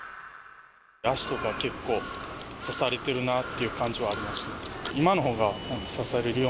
足とか結構、刺されてるなっていう感じはありますね。